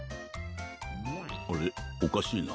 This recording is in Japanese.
あれおかしいな？